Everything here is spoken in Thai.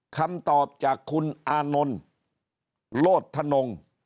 คำตอบจากคุณอานนลโรธถนนง